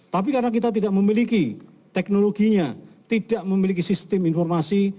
tapi karena kita tidak memiliki teknologinya tidak memiliki sistem informasi